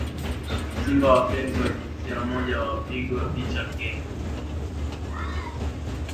Simba wapenzi wa jinsia moja wapigwa picha Kenya